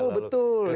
oh betul ya